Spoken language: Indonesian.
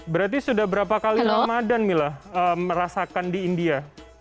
berarti sudah berapa kali ramadhan mila merasakan di india